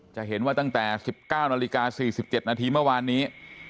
จะเห็นว่าตั้งแต่๑๙นาทีกะ๔๗ณมาวานนี้